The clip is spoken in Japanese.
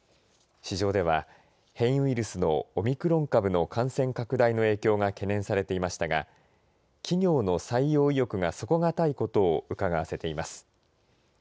市場では変異ウイルスのオミクロン株の感染拡大の影響が懸念されていましたが企業の採用意欲が底堅いことをうかがわせています。